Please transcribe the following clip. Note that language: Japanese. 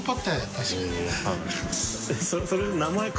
確かに。